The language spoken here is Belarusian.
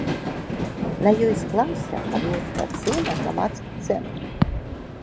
На ёй склаўся адміністрацыйна-грамадскі цэнтр.